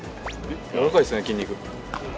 柔らかいですね、筋肉。